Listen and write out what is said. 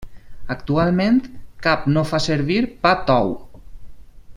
Actualment cap no fa servir pa tou.